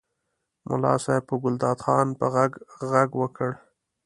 ملا صاحب په ګلداد خان په غږ غږ وکړ.